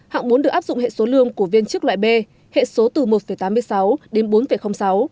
hạng bốn được áp dụng hệ số lương của viên chức loại b hệ số từ một tám mươi sáu đến bốn sáu